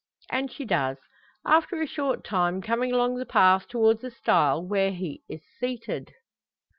And she does, after a short time; coming along the path towards the stile where here he is seated.